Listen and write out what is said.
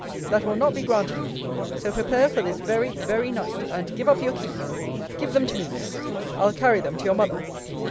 That will not be granted you. So prepare for this very very night. And give up your keys. Give them to me, Miss. I'll carry them to your mother.